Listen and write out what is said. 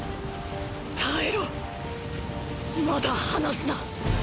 耐えろまだ離すな。